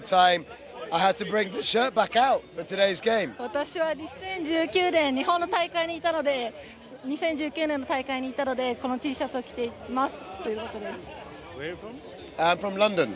私は、２０１９年日本の大会にいたのでこのＴシャツを着ています。